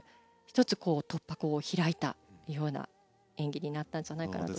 １つ、突破口を開いたような演技になったんじゃないかなと。